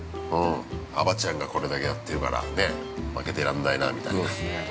あばちゃんがこれだけやってるから、ね、負けてらんないなみたいなね。